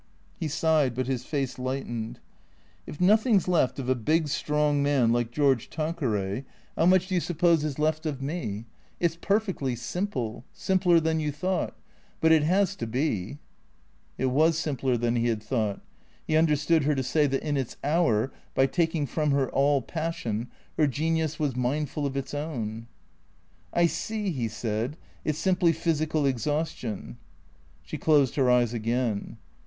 He sighed, but his face lightened. " If nothing 's left of a big strong man like George Tanque THECEEATORS 353 ray, how much do you suppose is left of me ? It 's perfectly simple — simpler than you thought. But it has to be/' It was simpler than he had thought. He understood her to say that in its hour, by taking from her all passion, her genius was mindful of its own. " I see," he said ;" it 's simply physical exhaustion." She closed her eyes again.